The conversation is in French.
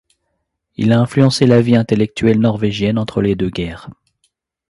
Il a influencé la vie intellectuelle norvégienne entre les deux guerres.